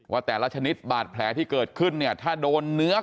แต่ละชนิดบาดแผลที่เกิดขึ้นเนี่ยถ้าโดนเนื้อ